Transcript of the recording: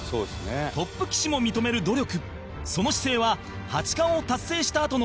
トップ棋士も認める努力